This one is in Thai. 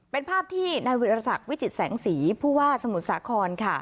เป็นภาพที่นายพยาศักดิ์วิจิตรแสงศรีผู้ว่าสมุทรสาครค่ะ